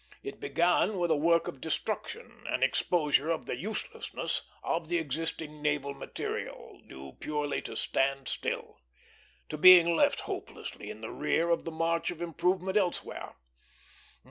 It began with a work of destruction, an exposure of the uselessness of the existing naval material, due purely to stand still; to being left hopelessly in the rear by the march of improvement elsewhere.